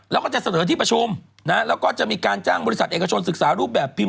แล้วก็จะเสนอที่ประชุม